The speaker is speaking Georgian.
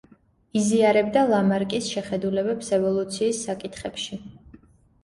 იზიარებდა ლამარკის შეხედულებებს ევოლუციის საკითხებში.